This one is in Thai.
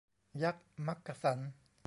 ยักษ์มักกะสัน